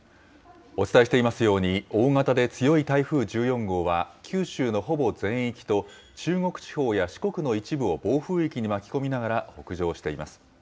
お伝えしていますように、大型で強い台風１４号は九州のほぼ全域と、中国地方や四国の一部を暴風域に巻き込みながら北上しています。